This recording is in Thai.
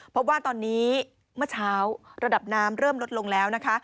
พบว่าตอนนี้เมื่อเช้าระดับน้ำเริ่มลดลงแล้วนะคะ